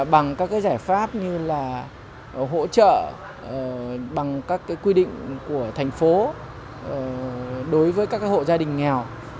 bằng các giải pháp như là hỗ trợ bằng các quy định của thành phố đối với các hộ gia đình nghèo